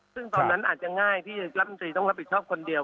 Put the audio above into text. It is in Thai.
ซึ่งตอนนั้นอาจจะง่ายที่รัฐมนตรีต้องรับผิดชอบคนเดียว